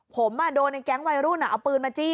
ผมโดนในแก๊งวัยรุ่นเอาปืนมาจี้